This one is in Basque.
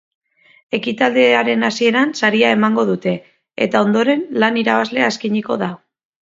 Ekitaldiaren hasieran saria emango dute, eta ondoren lan irabazlea eskainiko da.